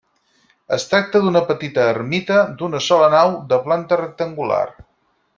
Es tracta d'una petita ermita d'una sola nau, de planta rectangular.